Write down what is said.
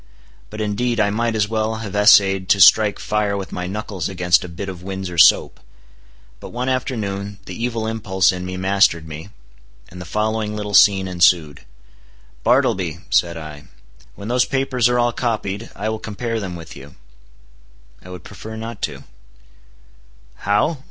But indeed I might as well have essayed to strike fire with my knuckles against a bit of Windsor soap. But one afternoon the evil impulse in me mastered me, and the following little scene ensued: "Bartleby," said I, "when those papers are all copied, I will compare them with you." "I would prefer not to." "How?